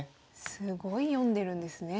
すごい読んでるんですね。